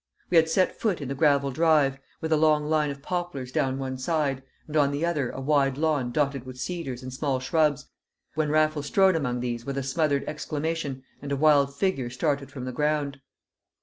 We had set foot in the gravel drive; with a long line of poplars down one side, and on the other a wide lawn dotted with cedars and small shrubs, when Raffles strode among these with a smothered exclamation, and a wild figure started from the ground.